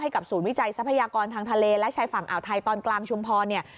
กับศูนย์วิจัยทรัพยากรทางทะเลและชายฝั่งอ่าวไทยตอนกลางชุมพรเนี่ย